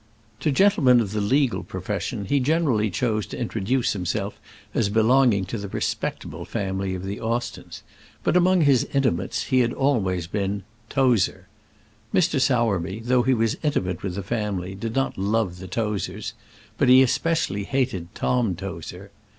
To gentlemen of the legal profession he generally chose to introduce himself as belonging to the respectable family of the Austens; but among his intimates he had always been Tozer. Mr. Sowerby, though he was intimate with the family, did not love the Tozers; but he especially hated Tom Tozer.